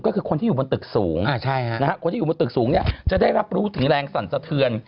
ก็คือคนที่อยู่บนตึกสูงคนที่อยู่บนตึกสูงเนี่ยจะได้รับรู้ถึงแรงสั่นสะเทือน